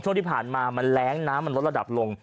ช่วงที่ผ่านมามันแรงน้ำมันลดระดับลง